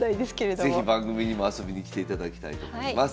是非番組にも遊びに来ていただきたいと思います。